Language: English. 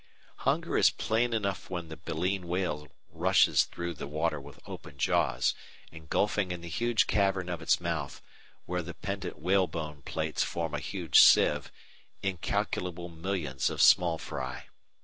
Hunger is plain enough when the Baleen Whale rushes through the water with open jaws, engulfing in the huge cavern of its mouth, where the pendent whalebone plates form a huge sieve, incalculable millions of small fry.